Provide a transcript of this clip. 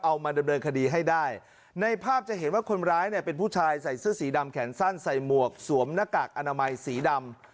เอามาดำเนินคดีให้ได้ในภาพจะเห็นว่าคนร้ายเนี่ยเป็นผู้ชายใส่เสื้อสีดำแขนสั้นใส่หมวกสวมหน้ากากอนามัยสีดำ